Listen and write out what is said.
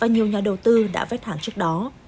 nhiều nhà đầu tư đã vét hàng trước đó